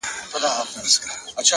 هغه په ژړا ستغ دی چي يې هيڅ نه ژړل ـ